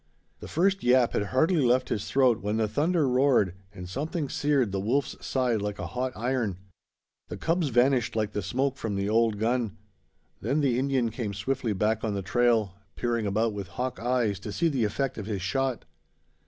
The first yap had hardly left his throat when the thunder roared, and something seared the wolf's side like a hot iron. The cubs vanished like the smoke from the old gun. Then the Indian came swiftly back on the trail, peering about with hawk eyes to see the effect of his shot.